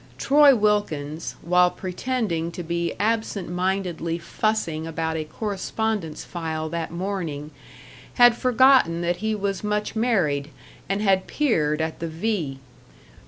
Troy Wilkins, while pretending to be absent mindedly fussing about a correspondence file that morning, had forgotten that he was much married and had peered at the V.